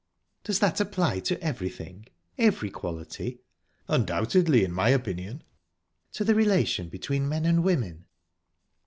"Does that apply to everything every quality?" "Undoubtedly, in my opinion." "To the relation between men and women?"